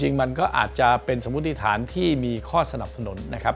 จริงมันก็อาจจะเป็นสมมุติฐานที่มีข้อสนับสนุนนะครับ